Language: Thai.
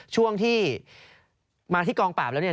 ช่วงที่มาที่กองปราบแล้วเนี่ย